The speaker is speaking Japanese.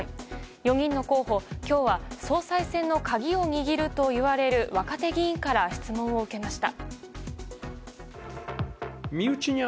４人の候補、今日は総裁選の鍵を握るといわれる若手議員から質問を受けました。